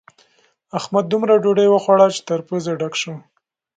احمد دومره ډوډۍ وخوړه چې تر پزې ډک شو.